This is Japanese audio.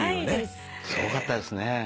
すごかったですね。